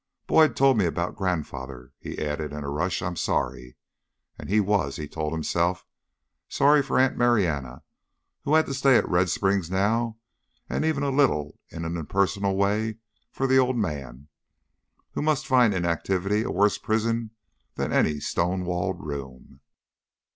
"Boyd told me about Grandfather," he added in a rush. "I'm sorry." And he was, he told himself, sorry for Aunt Marianna, who had to stay at Red Springs now, and even a little in an impersonal way for the old man, who must find inactivity a worse prison than any stone walled room.